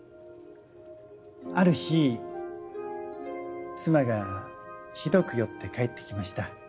ある日妻がひどく酔って帰ってきました。